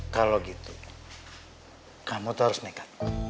kalau gitu kamu tuh harus nekat